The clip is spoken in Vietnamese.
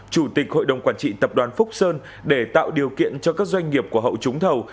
chủ tịch hội đồng quản trị tập đoàn phúc sơn để tạo điều kiện cho các doanh nghiệp của hậu trúng thầu